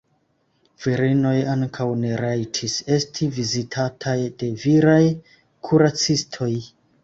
Virinoj ankaŭ ne rajtis esti vizitataj de viraj kuracistoj.